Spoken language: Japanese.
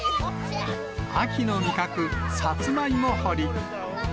秋の味覚、さつまいも掘り。